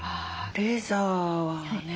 レーザーはね